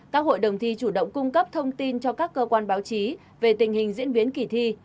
các hội đồng thi chủ động cung cấp thông tin cho các cơ quan báo chí về tình hình diễn biến kỳ thi